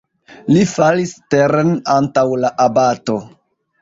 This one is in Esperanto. Li falis teren antaŭ la abato.